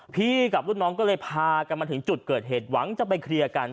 กับรุ่นน้องก็เลยพากันมาถึงจุดเกิดเหตุหวังจะไปเคลียร์กัน